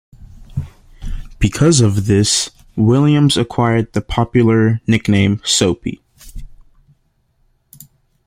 Because of this, Williams acquired the popular nickname Soapy.